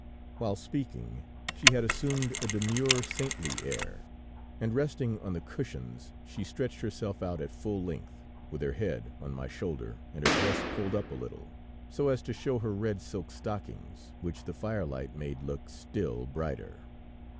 "While speaking, she had assumed a demure, saintly air; and resting on the cushions, she stretched herself out at full length, with her head on my shoulder and her dress pulled up a little, so as to show her red silk stockings, which the fire light made look still brighter.